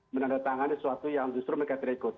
menandatangani sesuatu yang justru mereka tidak ikut